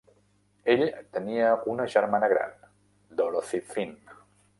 Ell tenia una germana gran, Dorothy Finn.